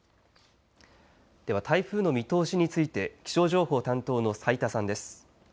では、台風の見通しについて気象情報担当の斉田さんです。